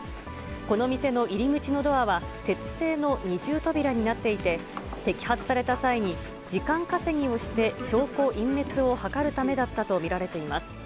この店の入り口のドアは、鉄製の二重扉になっていて、摘発された際に、時間稼ぎをして証拠隠滅を図るためだったと見られています。